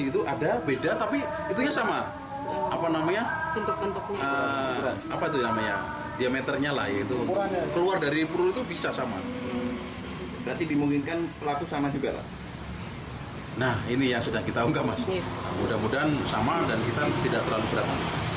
tahu nggak mas mudah mudahan sama dan kita tidak terlalu berat